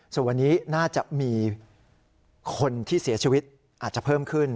ส่วนวันนี้น่าจะมีคนที่เสียชีวิตอาจจะเพิ่มขึ้น